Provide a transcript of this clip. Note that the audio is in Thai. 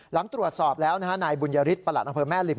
หลังตรวจสอบแล้วนายบุญยฤทธประหลัดอำเภอแม่ริม